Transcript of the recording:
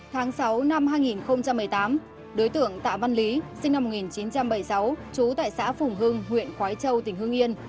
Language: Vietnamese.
tháng sáu năm hai nghìn một mươi tám đối tượng tạ văn lý sinh năm một nghìn chín trăm bảy mươi sáu trú tại xã phùng hưng huyện khói châu tỉnh hương yên